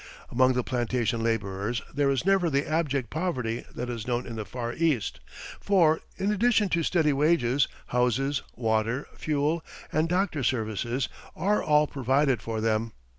Among the plantation labourers there is never the abject poverty that is known in the Far East for, in addition to steady wages, houses, water, fuel and doctor's services are all provided for them.